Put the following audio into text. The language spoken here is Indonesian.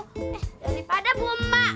eh daripada bumba